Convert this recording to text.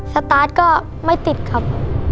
สตาร์ทก็ไม่ติดครับ